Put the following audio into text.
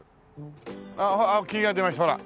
あっ霧が出ましたほら。